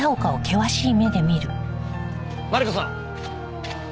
マリコさん。